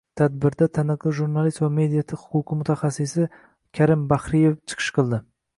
Tadbirda taniqli jurnalist va media huquqi mutaxassisi Karim Bahriyev chiqish qildi